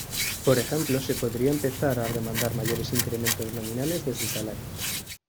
Por ejemplo, se podría empezar a demandar mayores incrementos nominales de sus salarios.